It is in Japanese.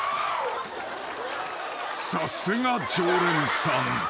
［さすが常連さん。